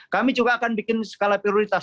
kami juga akan bikin skala prioritas